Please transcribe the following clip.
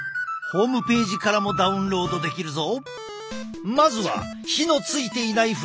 ホームページからもダウンロードできるぞ。